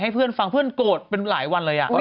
เพื่อนฟังเพื่อนโกรธเป็นหลายวันเลย